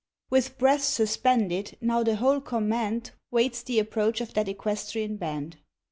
With breath suspended, now the whole command Waits the approach of that equestrian band.